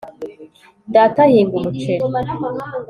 data ahinga umuceri